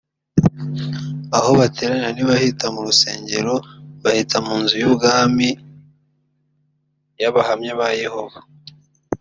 Aho bateranira ntibahita mu rusengero bahita mu nzu y’ubwami y’abahamya ba Yehova